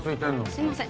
すいません